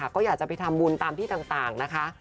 ก็อยากจะไปทำบุญตามที่ต่างนะคะ